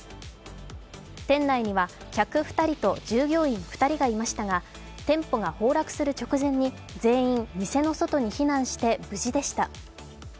店内には客２人と従業員２人がいましたが店舗が崩落する直前に全員店の外に避難して無事でした。